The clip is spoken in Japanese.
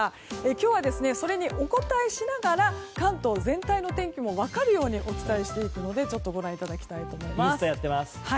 今日はそれにお答えしながら関東全体の天気も分かるようにお伝えしていくのでちょっとご覧いただきたいと思います。